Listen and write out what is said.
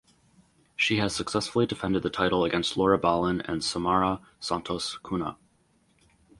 She has successfully defended the title against Laura Balin and Samara Santos Cunha.